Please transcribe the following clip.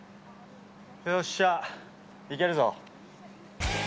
よっしゃ、いけるぞ。